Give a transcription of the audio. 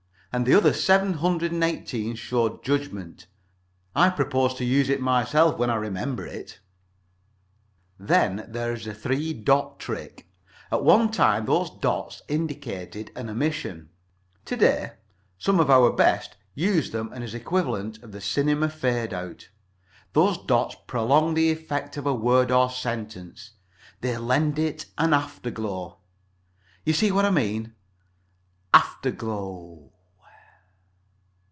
And the other seven hundred and eighteen showed judgment. I propose to use it myself when I remember it. Then there is the three dot trick. At one time those dots indicated an omission. To day, some of our best use them as an equivalent of the cinema fade out. Those dots prolong the effect of a word or sentence; they lend it an afterglow. You see what I mean? Afterglow